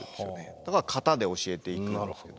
だから型で教えていくんですけど。